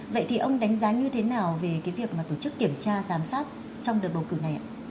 vậy thì ông đánh giá như thế nào về cái việc mà tổ chức kiểm tra giám sát trong đợt bầu cử này ạ